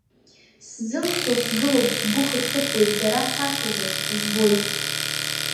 Сзымцо сгылоуп, сгәы хыҭҳыҭуеит, дара сацәажәоит, избоит.